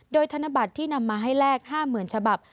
โดยธนบัตรที่นำมาให้แลก๕๐๐๐ฉบับ